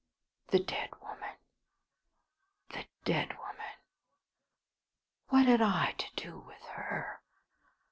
The dead woman! The dead woman! What had I to do with her?